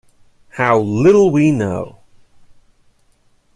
How little we know!